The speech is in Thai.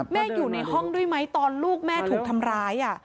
อยู่ในห้องด้วยไหมตอนลูกแม่ถูกทำร้าย